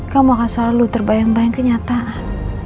kamu akan selalu terbayang bayang kenyataan